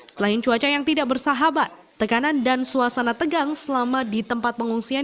selain cuaca yang tidak bersahabat tekanan dan suasana tegang selama di tempat pengungsian